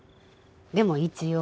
でも一応ね。